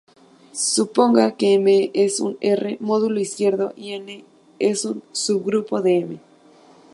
Suponga que "M" es un "R"-módulo izquierdo y "N" es un subgrupo de "M".